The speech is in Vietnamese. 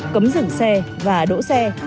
cấm dừng xe và đỗ xe